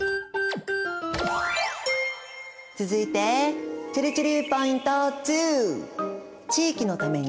続いてちぇるちぇるポイント２。